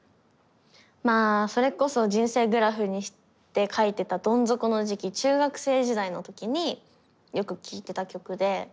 まあそれこそ人生グラフにして書いてたどん底の時期中学生時代の時によく聴いてた曲で。